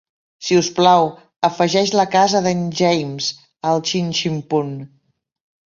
Si us plau, afegeix la casa d'en James al xin-xin-pum.